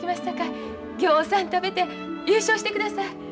さかいぎょうさん食べて優勝してください。